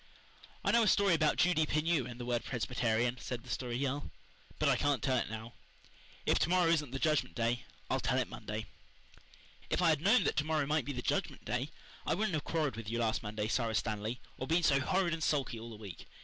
"I know a story about Judy Pineau and the word Presbyterian," said the Story Girl, "but I can't tell it now. If to morrow isn't the Judgment Day I'll tell it Monday." "If I had known that to morrow might be the Judgment Day I wouldn't have quarrelled with you last Monday, Sara Stanley, or been so horrid and sulky all the week.